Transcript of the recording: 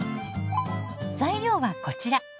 材料はこちら。